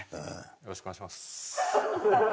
よろしくお願いします。